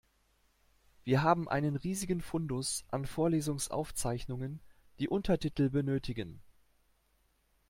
Wir haben einen riesigen Fundus an Vorlesungsaufzeichnungen, die Untertitel benötigen.